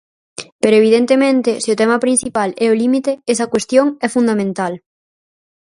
Pero evidentemente, se o tema principal é o límite, esa cuestión é fundamental.